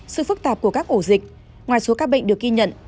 sự phức tạp của các ổ dịch ngoài số ca bệnh được ghi nhận